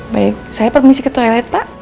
baik saya permisi ke toilet pak